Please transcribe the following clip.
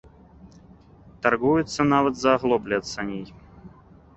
Таргуецца нават за аглоблі ад саней.